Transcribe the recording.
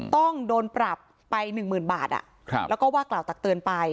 ต้องโดนปรับไป๑๐๐๐บาทแล้วก็ว่ากล่าวตักเตือนไป